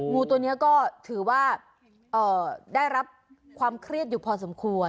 งูตัวนี้ก็ถือว่าได้รับความเครียดอยู่พอสมควร